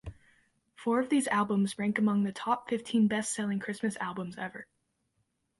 Four of these albums rank among the top fifteen best-selling Christmas albums ever.